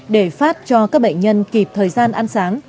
để phát cho các bệnh nhân kịp thời gian ăn sáng